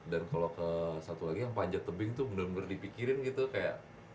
dan kalau ke satu lagi yang panjat tebing tuh bener bener dipikirin gitu kayak